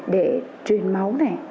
để truyền máu này